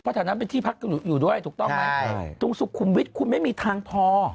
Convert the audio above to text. แถวนั้นเป็นที่พักอยู่ด้วยถูกต้องไหมตรงสุขุมวิทย์คุณไม่มีทางพอ